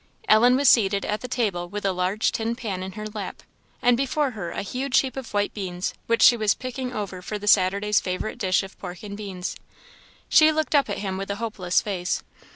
Ellen was seated at the table with a large tin pan in her lap, and before her a huge heap of white beans, which she was picking over for the Saturday's favourite dish of pork and beans. She looked up at him with a hopeless face.